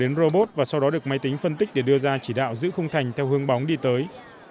chuyển qua mạng năm g đến robot và sau đó được máy tính phân tích để đưa ra chỉ đạo giữ khung thành theo hướng bóng đi tới